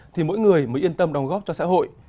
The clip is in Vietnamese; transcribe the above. thì mỗi người mới yên tâm đóng góp cho xã hội